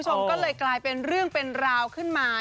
ก็เลยกลายเป็นเรื่องเป็นราวขึ้นมา